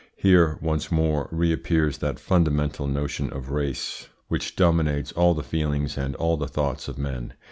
Here, once more, reappears that fundamental notion of race which dominates all the feelings and all the thoughts of men.